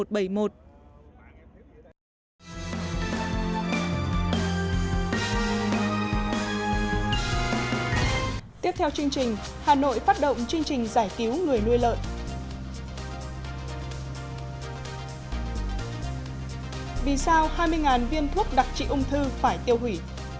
vì sao hai mươi viên thuốc đặc trị ung thư phải tiêu hủy